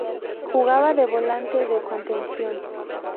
Jugaba de volante de contención.